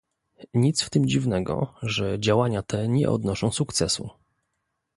Nic w tym dziwnego, że działania te nie odnoszą sukcesu